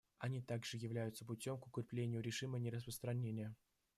Они также являются путем к укреплению режима нераспространения.